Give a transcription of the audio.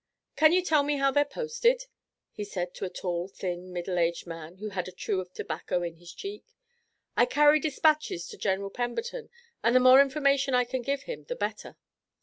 "Can you tell me how they're posted?" he said to a tall, thin middle aged man who had a chew of tobacco in his cheek. "I carry dispatches to General Pemberton, and the more information I can give him the better."